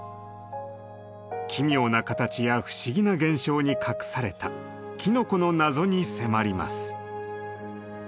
奇妙な形や不思議な現象に隠されたきのこの謎に迫ります。